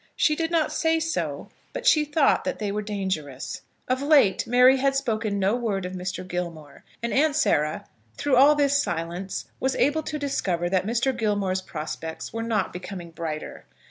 She did not say so; but she thought that they were dangerous. Of late Mary had spoken no word of Mr. Gilmore; and Aunt Sarah, through all this silence, was able to discover that Mr. Gilmore's prospects were not becoming brighter.